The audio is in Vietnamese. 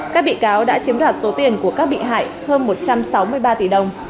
các bị cáo đã chiếm đoạt số tiền của các bị hại hơn một trăm sáu mươi ba tỷ đồng